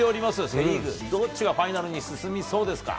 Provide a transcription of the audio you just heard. セ・リーグ、どっちがファイナルに進みそうですか。